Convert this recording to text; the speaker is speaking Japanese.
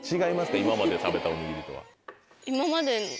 今まで食べたおにぎりとは。